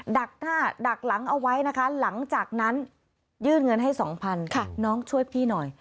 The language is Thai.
ดักหน้าดักหลังเอาไว้นะคะหลังจากนั้นยื่นเงินให้สองพันน้องช่วยพี่หน่อย